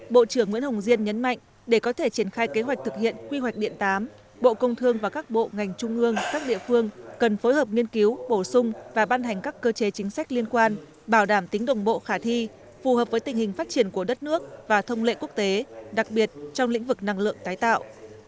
bộ trưởng nguyễn hồng diên nhấn mạnh để có thể triển khai kế hoạch thực hiện quy hoạch điện tám bộ công thương và các bộ ngành trung ương các địa phương cần phối hợp nghiên cứu bổ sung và ban hành các cơ chế chính sách liên quan bảo đảm tính đồng bộ khả thi phù hợp với tình hình phát triển của đất nước và thông lệ quốc tế đặc biệt trong lĩnh vực năng lượng tái tạo